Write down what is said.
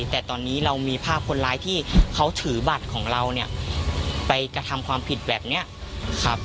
แต่ตอนนี้เรามีภาพคนร้ายที่เขาถือบัตรของเราเนี่ยไปกระทำความผิดแบบนี้ครับ